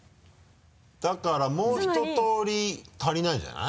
だからもうひと通り足りないんじゃない？